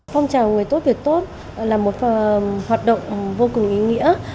phong trào người tốt việc tốt là một hoạt động vô cùng ý nghĩa